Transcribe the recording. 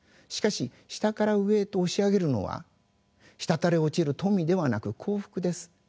しかし下から上へと押し上げるのは滴れ落ちる富ではなく幸福です。